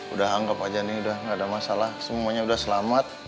udah anggap aja nih udah gak ada masalah semuanya udah selamat